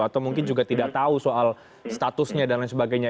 atau mungkin juga tidak tahu soal statusnya dan lain sebagainya